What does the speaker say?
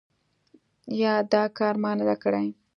یا دا کار ما نه دی کړی ؟